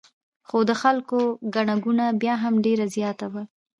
خو د خلکو ګڼه ګوڼه بیا هم ډېره زیاته وه.